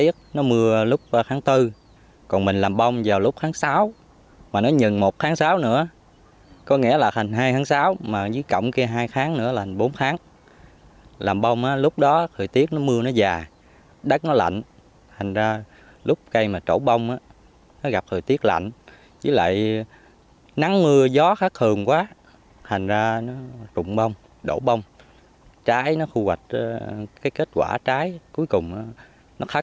thành ra nó trụng bông đổ bông trái nó khu hoạch cái kết quả trái cuối cùng nó khắc